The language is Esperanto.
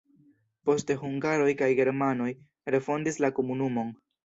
Poste hungaroj kaj germanoj refondis la komunumon.